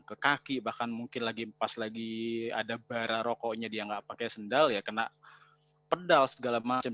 ke kaki bahkan mungkin pas lagi ada bara rokoknya dia nggak pakai sendal ya kena pedal segala macam